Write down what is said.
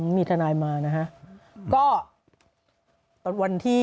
มีทนายมานะฮะ